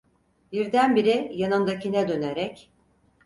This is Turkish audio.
Birdenbire yanındakine dönerek: